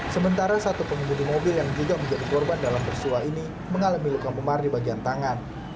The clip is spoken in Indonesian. sementara satu pengemudi mobil yang juga menjadi korban dalam persua ini mengalami luka memar di bagian tangan